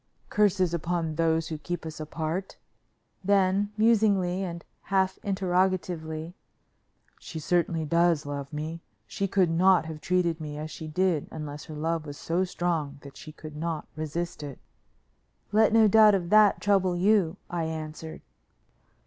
Curses upon those who keep us apart." Then musingly and half interrogatively: "She certainly does love me. She could not have treated me as she did unless her love was so strong that she could not resist it." "Let no doubt of that trouble you," I answered.